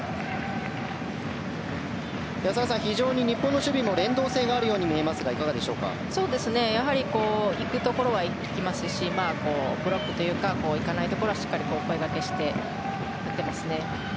澤さん、非常に日本の守備も連動性があるように見えますが行くところは行きますしブロックというか行かないところは声がけしてやってますね。